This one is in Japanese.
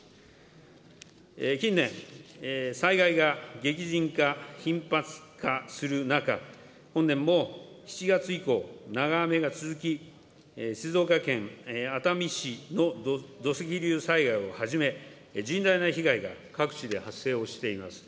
近年、災害が激甚化、頻発化する中、本年も７月以降、長雨が続き、静岡県熱海市の土石流災害をはじめ、甚大な被害が各地で発生をしております。